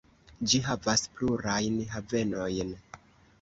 Ĝi havas plurajn havenojn.